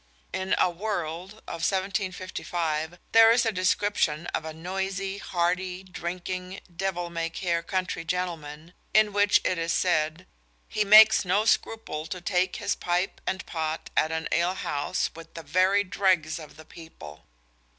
In a World of 1755 there is a description of a noisy, hearty, drinking, devil may care country gentleman, in which it is said, "he makes no scruple to take his pipe and pot at an alehouse with the very dregs of the people."